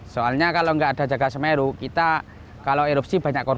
soalnya kalau nggak ada jaga semeru kita kalau erupsi banyak korban